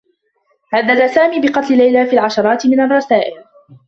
هدّد سامي بقتل ليلى في العشرات من الرّسائل.